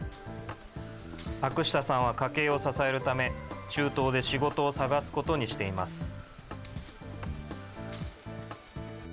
アクシタさんは家計を支えるため、中東で仕事を探すことにしています。